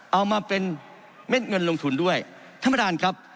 เอามาเป็นเม็ดเงินลงทุนด้วยธรรมดาลครับ